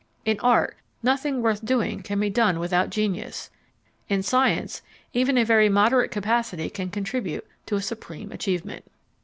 In art nothing worth doing can be done without genius; in science even a very moderate capacity can contribute to a supreme achievement.